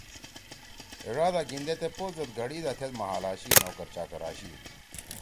ہے ڙادا گھیِندے تے پود زید گھڑیِدا تھید محل آشی، نوکر چاکر آشی۔